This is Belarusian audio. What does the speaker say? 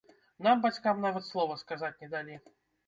Нам, бацькам, нават слова сказаць не далі.